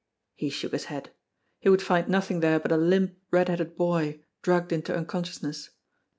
He shook his head. He would find nothing there but a limp, red headed boy, drugged into unconscious ness.